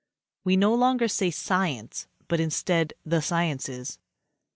We no longer say science, but instead the sciences.